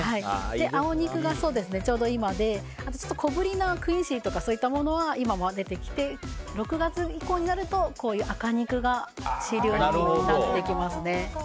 青肉がちょうど今でちょっと小ぶりなクインシーとかそういったものは今は出てきてて６月以降になると赤肉が主流になってきますね。